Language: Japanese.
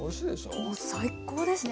もう最高ですね。